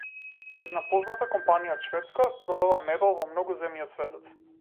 Една позната компанија од Шведска продава мебел во многу земји од светот.